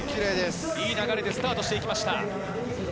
いい流れでスタートしていきました。